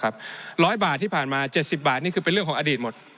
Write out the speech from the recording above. ร้อยบาทที่ผ่านมา๗๐บาทนี่คือเป็นเรื่องของอดีตหมด